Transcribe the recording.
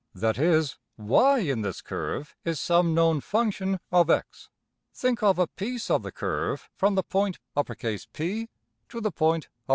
That is, $y$~in this curve is some known function of~$x$. Think of a piece of the curve from the point~$P$ to the point~$Q$.